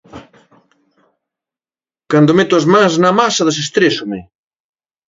Cando meto as mans na masa desestrésome.